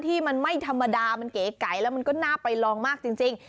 ที่มันไม่ธรรมดามันเก๋ไก่แล้วมันก็น่าไปลองมากจริง